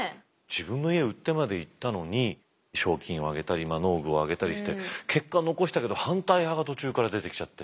自分の家売ってまで行ったのに賞金をあげたり農具をあげたりして結果残したけど反対派が途中から出てきちゃって。